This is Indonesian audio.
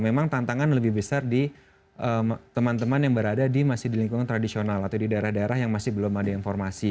memang tantangan lebih besar di teman teman yang berada di masih di lingkungan tradisional atau di daerah daerah yang masih belum ada informasi